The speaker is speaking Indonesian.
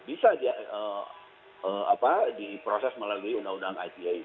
bisa dia apa diproses melalui undang undang ite